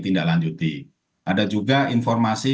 tindak lanjuti ada juga informasi